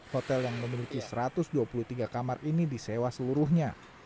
hotel yang memiliki satu ratus dua puluh tiga kamar ini disewa seluruhnya